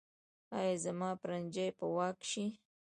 ایا زما پرنجی به ورک شي؟